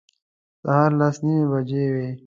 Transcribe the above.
سهار لس نیمې بجې وې.